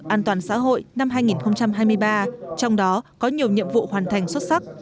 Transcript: an toàn xã hội năm hai nghìn hai mươi ba trong đó có nhiều nhiệm vụ hoàn thành xuất sắc